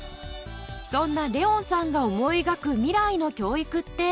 そんなレウォンさんが思い描くミライの教育って？